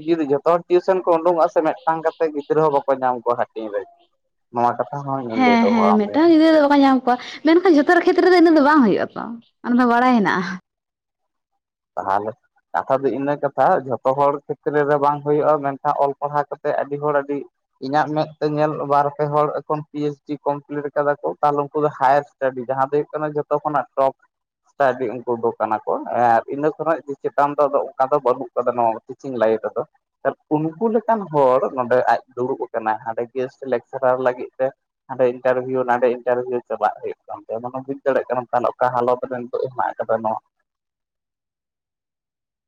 ᱡᱩᱫᱤ ᱡᱚᱛᱚ ᱦᱚᱲ ᱴᱤᱭᱩᱥᱚᱱ ᱠᱚ ᱩᱰᱩᱠᱚᱜᱼᱟ ᱥᱮ ᱢᱤᱫᱴᱟᱝ ᱠᱟᱛᱮᱮᱫ ᱜᱤᱫᱽᱨᱟᱹ ᱦᱚᱸ ᱵᱟᱠᱚ ᱧᱟᱢ ᱠᱚᱣᱟ ᱦᱟᱹᱴᱤᱧ ᱨᱮ ᱱᱚᱣᱟ ᱠᱟᱛᱷᱟ ᱦᱚᱸ ᱤᱧᱤᱧ ᱞᱟᱹᱭ ᱫᱚᱦᱚᱣᱟᱜ ᱢᱮᱭᱟ ᱵᱟᱝ ᱧᱟᱢ ᱢᱮᱱᱠᱷᱟᱱ ᱡᱚᱛᱚ ᱦᱚᱲ ᱠᱷᱮᱛᱨᱮ ᱫᱚ ᱤᱱᱟᱹᱜ ᱫᱚ ᱵᱟᱝ ᱦᱩᱭᱩᱜᱼᱟ ᱛᱚ ᱚᱱᱟ ᱫᱚ ᱵᱟᱲᱟᱭ ᱦᱮᱱᱟᱜᱼᱟ ᱛᱟᱦᱞᱮ ᱠᱟᱛᱷᱟ ᱫᱚ ᱤᱱᱟᱹ ᱠᱟᱛᱷᱟ ᱡᱷᱚᱛᱚ ᱦᱚᱲ ᱠᱷᱮᱛᱨᱮ ᱨᱮ ᱵᱟᱝ ᱦᱩᱭᱩᱜᱼᱟ ᱢᱮᱱᱠᱷᱟᱱ ᱚᱞ ᱯᱟᱲᱦᱟᱣ ᱠᱟ ᱠᱟᱛᱮᱮᱫ ᱟᱹᱰᱤ ᱦᱚᱲ ᱟᱹᱰᱤ ᱤᱧᱟᱹᱜ ᱢᱮᱫᱛᱮ ᱧᱮᱞ ᱵᱟᱨᱯᱮ ᱦᱚᱲ ᱮᱠᱷᱚᱱ ᱯᱤ ᱮᱭᱤᱪ ᱰᱤ ᱠᱚᱢᱯᱞᱤᱴ ᱠᱟᱫᱟ ᱠᱚ ᱛᱟᱦᱚᱞᱮ ᱩᱱᱠᱩ ᱫᱚ ᱦᱟᱭᱟᱨ ᱥᱴᱟ ᱡᱟᱦᱟᱸ ᱫᱚ ᱦᱩᱭᱩᱜ ᱠᱟᱱᱟ ᱡᱚᱛᱚ ᱠᱷᱚᱱᱟᱜ ᱴᱚᱯ ᱥᱴᱟᱰᱤ ᱩᱱᱠᱩ ᱫᱚ ᱠᱟᱱᱟ ᱠᱚ ᱟᱨ ᱤᱱᱟᱹ ᱠᱷᱚᱱᱟᱜ ᱪᱮᱛᱟᱱ ᱫᱚ ᱟᱫᱚ ᱚᱱᱠᱟ ᱫᱚ ᱵᱟᱹᱱᱩᱜ ᱠᱟᱫᱟ ᱱᱚᱣᱟ ᱴᱤᱪᱤᱝ ᱞᱟᱭᱤᱱ ᱨᱮᱫᱚ ᱩᱱᱠᱩ ᱞᱮᱠᱟᱱ ᱦᱚᱲ ᱱᱚᱰᱮ ᱟᱡ ᱫᱩᱲᱩᱵ ᱟᱠᱟᱱᱟ ᱦᱟᱸᱰᱮ ᱜᱮᱥᱴ ᱞᱮᱠᱪᱟᱨᱟᱨ ᱞᱟᱹᱜᱤᱫ ᱛᱮ ᱦᱟᱸᱰᱮ ᱤᱱᱴᱟᱨᱵᱷᱤᱭᱩ ᱱᱟᱰᱮ ᱤᱱᱴᱟᱨᱵᱷᱤᱭᱩ ᱪᱟᱞᱟᱜ ᱦᱩᱭᱩᱜ ᱠᱟᱱᱛᱮ ᱟ ᱵ ᱵᱩᱡᱽ ᱫᱟᱲᱮᱭᱟᱜ ᱠᱟᱱᱟ ᱛ ᱚᱠᱟ ᱦᱟᱞᱚᱛ ᱨᱮᱱ ᱠᱚ ᱮᱢᱟᱜ [inaudible]